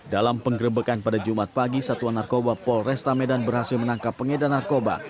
dalam penggerebekan pada jumat pagi satuan narkoba polres tamedan berhasil menangkap pengedaran narkoba